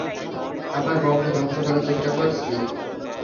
আমার বংশ ধ্বংস করার চেষ্টা করেছিলি।